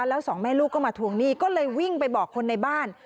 แล้วสองแม่ลูกก็มาทวงหนี้ก็เลยวิ่งไปบอกคนในบ้าน